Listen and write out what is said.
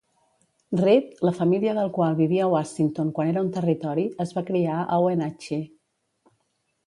Reed, la família del qual vivia a Washington quan era un territori, es va criar a Wenatchee.